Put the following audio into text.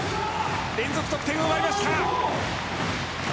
連続得点を奪いました。